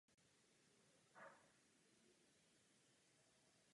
Zastupování je bezplatné.